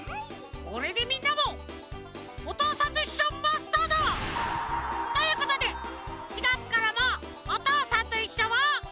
これでみんなも「おとうさんといっしょ」マスターだ！ということで４がつからも「おとうさんといっしょ」を。